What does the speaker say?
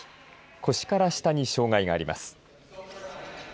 腰から下に障害があります。